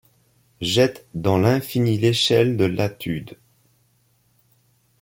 Jette dans l’infini l’échelle de Latude ;